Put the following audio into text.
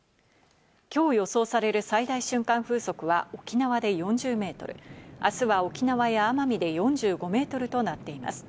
きょう予想される最大瞬間風速は、沖縄で４０メートル、あすは沖縄や奄美で４５メートルとなっています。